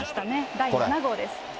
第７号です。